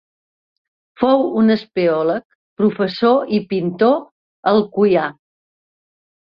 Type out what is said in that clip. Fou un espeleòleg, professor i pintor alcoià.